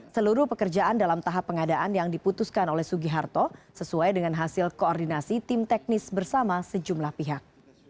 seluruh pekerjaan dalam tahap pengadaan yang diputuskan oleh sugiharto sesuai dengan hasil koordinasi tim teknis bersama sejumlah pihak